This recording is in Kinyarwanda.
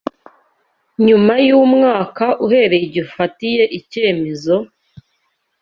Nyuma y’umwaka uhereye igihe ufatiye icyemezo,